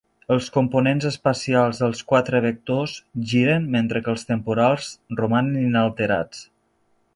Els components espacials dels quatre vectors giren, mentre que els temporals romanen inalterats.